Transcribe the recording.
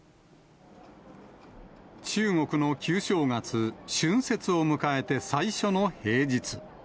中国の旧正月、春節を迎えて最初の平日。